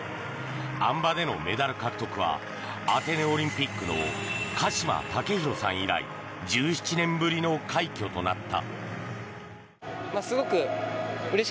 あん馬でのメダル獲得はアテネオリンピックの鹿島丈博さん以来１７年ぶりの快挙となった。